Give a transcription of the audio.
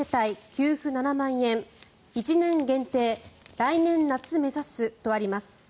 給付７万円１年限定、来年夏目指すとあります。